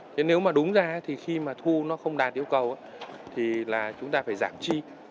thế nếu mà đúng ra thì khi mà thu nó không đạt yêu cầu thì là chúng ta phải giảm chi